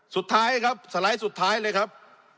สุดท้ายครับสไลด์สุดท้ายเลยครับ